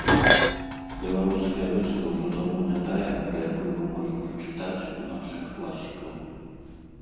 Беларуская вёска ўжо даўно не тая, пра якую мы можам прачытаць у нашых класікаў.